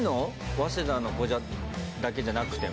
早稲田の子だけじゃなくても。